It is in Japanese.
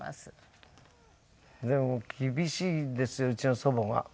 でも厳しいんですようちの祖母が。